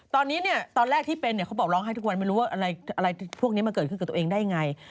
ตอนนี้เนี่ยตอนแรกที่เป็นเขาบอกร้องไห้ทุกวันไม่รู้ว่าอะไรพวกนี้มาเกิดขึ้นกับตัวเองได้ยังไง